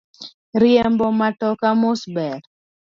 Riembo matoka mos ber.